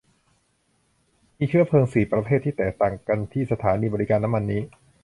มีเชื้อเพลิงสี่ประเภทที่แตกต่างกันที่สถานีบริการน้ำมันนี้